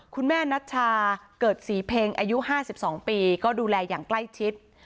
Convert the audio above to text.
คุณแม่นัชชาเกิดศรีเพ็งอายุ๕๒ปีก็ดูแลอย่างใกล้ชิด